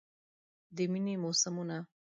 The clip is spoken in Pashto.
د میینې موسمونه